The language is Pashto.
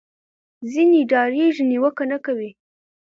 ځینې ډارېږي نیوکه نه کوي